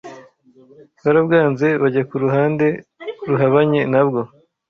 barabwanze bajya ku ruhande ruhabanye nabwo